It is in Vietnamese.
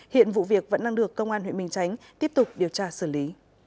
hiện vụ việc vẫn đang được công an huyện bình chánh tiếp tục điều tra xử lý